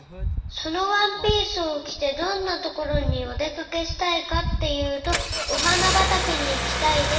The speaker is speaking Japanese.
そのワンピースをきてどんなところにおでかけしたいかっていうとおはなばたけにいきたいです。